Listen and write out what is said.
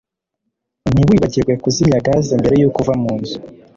ntiwibagirwe kuzimya gaze mbere yuko uva munzu